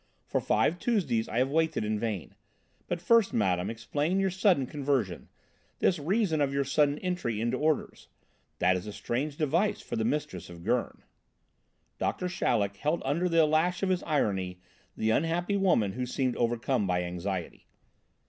For five Tuesdays I have waited in vain. But first, madame, explain your sudden conversion, the reason of your sudden entry into Orders. That is a strange device for the mistress of Gurn." Doctor Chaleck held under the lash of his irony the unhappy woman who seemed overcome by anxiety.